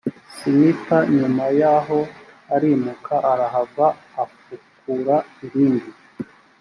sitina nyuma yaho arimuka arahava afukura irindi